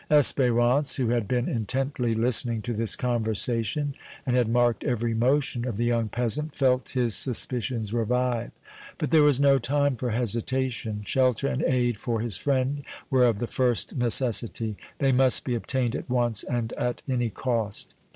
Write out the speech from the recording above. Espérance, who had been intently listening to this conversation and had marked every motion of the young peasant, felt his suspicions revive; but there was no time for hesitation; shelter and aid for his friend were of the first necessity; they must be obtained at once and at any cost.